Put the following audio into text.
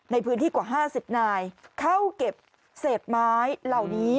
ในพื้นที่กว่า๕๐นายเข้าเก็บเศษไม้เหล่านี้